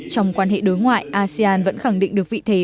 trong quan hệ đối ngoại asean vẫn khẳng định được vị thế